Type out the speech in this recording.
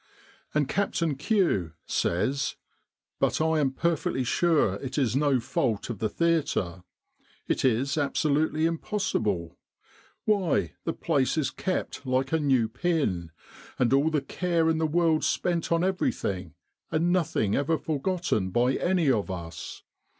' And Captain Q x says But I am perfectly sure it is no fault of the theatre ! It is absolutely impossible ! Why, the With the R.A.M.C. in Egypt place is kept like a new pin ! And all the care in the world spent on everything, and nothing ever forgotten by any of us.